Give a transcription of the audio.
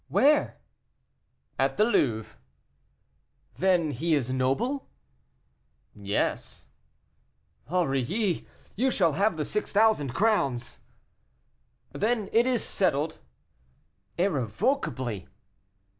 "Where?" "At the Louvre." "Then he is noble?" "Yes:" "Aurilly, you shall have the six thousand crowns." "Then it is settled?" "Irrevocably."